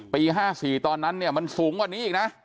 ปี๕๔ตอนนั้นเนี่ยมันสูงกว่านี้อีกนะ